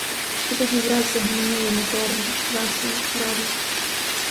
І тоді враз загомоніли моторно, весело, радісно.